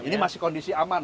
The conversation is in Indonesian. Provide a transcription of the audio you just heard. ini masih kondisi aman